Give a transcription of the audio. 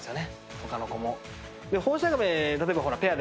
他の子も。